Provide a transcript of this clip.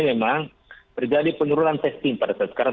memang terjadi penurunan testing pada saat sekarang